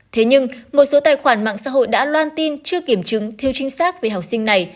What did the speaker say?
thế nhưng một số tài khoản mạng xã hội đã loan tin chưa kiểm chứng thiếu chính xác về học sinh này